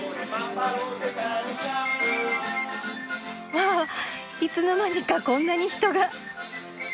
わあいつの間にかこんなに人が。